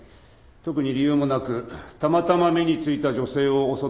特に理由もなくたまたま目に付いた女性を襲っているのか